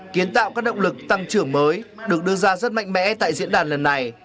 kiến tạo các động lực tăng trưởng mới được đưa ra rất mạnh mẽ tại diễn đàn lần này